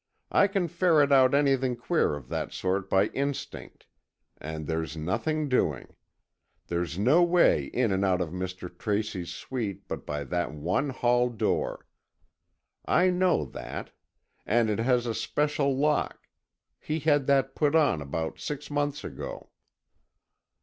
I can ferret out anything queer of that sort by instinct, and there's nothing doing. There's no way in and out of Mr. Tracy's suite but by that one hall door. I know that. And it has a special lock. He had that put on about six months ago."